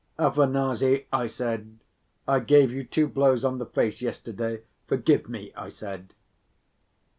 "Afanasy," I said, "I gave you two blows on the face yesterday, forgive me," I said.